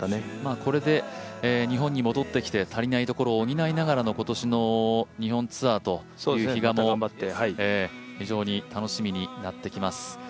これで、日本に戻ってきて足りないところを補いながらの今年の日本ツアーという比嘉も非常に楽しみになってきます。